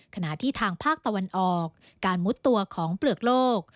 ขณะที่ทางภาคตะวันออกการมุดตัวของเปลือกโลก